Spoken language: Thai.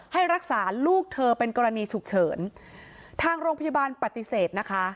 ให้รักษาลูกเธอเป็นกรณีฉุกเฉินทางโรงพยาบาลปฏิเสธนะคะ